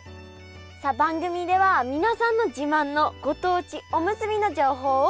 さあ番組では皆さんの自慢のご当地おむすびの情報をお待ちしております。